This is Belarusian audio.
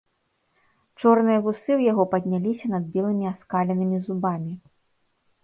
Чорныя вусы ў яго падняліся над белымі аскаленымі зубамі.